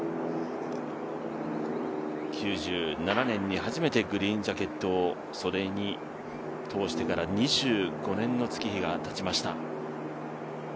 ９７年に初めてグリーンジャケットに袖を通してから２５年の月日がたちました。